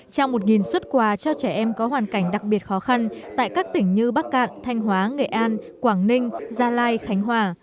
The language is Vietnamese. trao một xuất quà cho trẻ em có hoàn cảnh đặc biệt khó khăn tại các tỉnh như bắc cạn thanh hóa nghệ an quảng ninh gia lai khánh hòa